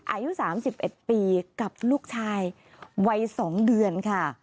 อายุ๓๑ปีกับลูกชายวัย๒เดือนค่ะ